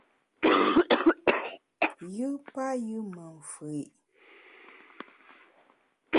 Yù payù me mfù’i.